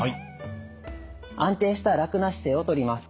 安定した楽な姿勢をとります。